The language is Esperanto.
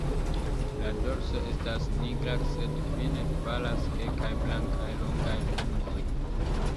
La dorso estas nigra, sed fine falas kelkaj blankaj longaj plumoj.